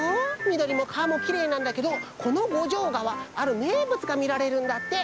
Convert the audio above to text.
みどりも川もきれいなんだけどこの五条川あるめいぶつがみられるんだって。